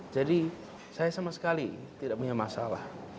jadi saya sama sekali tidak punya masalah